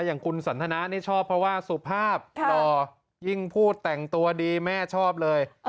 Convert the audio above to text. อย่างคุณสันทนานี่ชอบเพราะว่าสุภาพหล่อยิ่งพูดแต่งตัวดีแม่ชอบเลย